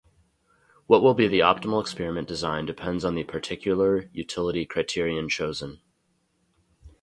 What will be the optimal experiment design depends on the particular utility criterion chosen.